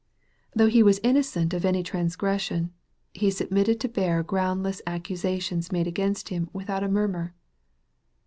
Though he was innocent of any trans gression, He submitted to bear groundless accusations made against Him without a murmur.